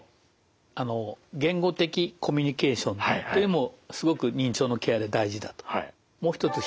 あの言語的コミュニケーションというのもすごく認知症のケアで大事だと。